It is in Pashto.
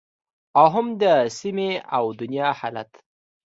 او هم د سیمې او دنیا حالت